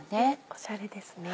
おしゃれですね。